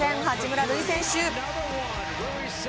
八村塁選手。